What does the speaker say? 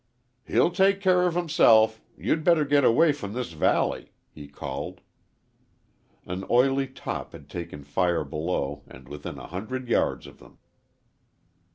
"He'll take care of himself you'd better get away from this valley," he called. An oily top had taken fire below and within a hundred yards of them.